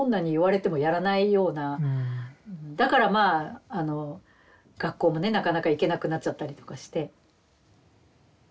だからまああの学校もねなかなか行けなくなっちゃったりとかして。